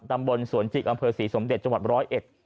ดำบลสวนจิกอำเภอศรีสมเด็จจังหวัด๑๐๑